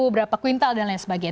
berapa kuintal dan lain sebagainya